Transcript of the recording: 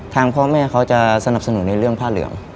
ทางพ่อแม่เขาจะสนับสนุนในเรื่องผ้าเหลือง